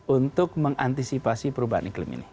untuk mengantisipasi perubahan iklim ini